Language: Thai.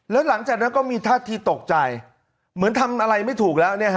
แล้วหลังจากนั้นก็มีท่าทีตกใจเหมือนทำอะไรไม่ถูกแล้ว